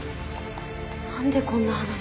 なんでこんな話？